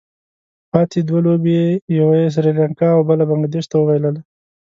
پاتې دوه لوبې یې یوه سري لانکا او بله بنګله دېش ته وبايلله.